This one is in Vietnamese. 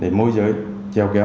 để môi giới treo kéo